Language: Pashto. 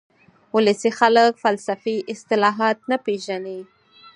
ولسي خلک فلسفي اصطلاحات نه پېژني